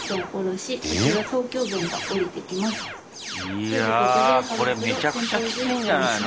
いやこれめちゃくちゃきついんじゃないの？